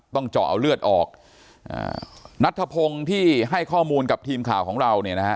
เจาะเอาเลือดออกนัทธพงศ์ที่ให้ข้อมูลกับทีมข่าวของเราเนี่ยนะฮะ